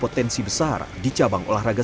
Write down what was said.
atau seperti itu yang cute